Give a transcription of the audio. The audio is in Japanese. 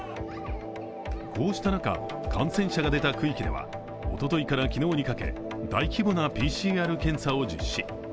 こうした中、感染者が出た区域ではおとといから昨日にかけ大規模なＰＣＲ検査を実施。